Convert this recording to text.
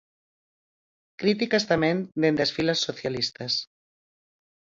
Críticas tamén dende as filas socialistas.